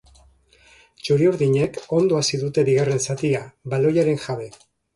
Txuriurdinek ondo hasi dute bigarren zatia, baloiaren jabe.